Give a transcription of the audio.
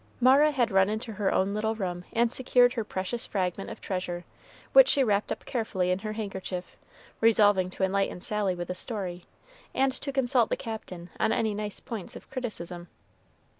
Mara had run into her own little room and secured her precious fragment of treasure, which she wrapped up carefully in her handkerchief, resolving to enlighten Sally with the story, and to consult the Captain on any nice points of criticism.